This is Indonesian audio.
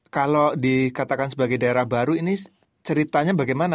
kalau dikatakan sebagai daerah baru ini ceritanya bagaimana